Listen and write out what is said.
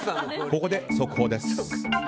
ここで速報です。